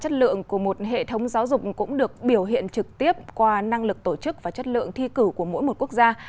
chất lượng của một hệ thống giáo dục cũng được biểu hiện trực tiếp qua năng lực tổ chức và chất lượng thi cử của mỗi một quốc gia